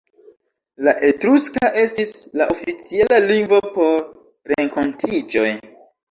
La Etruska estis la oficiala lingvo por renkontiĝoj.